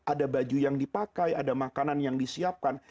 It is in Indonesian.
ada baju yang dipakai ada makanan yang disiapkan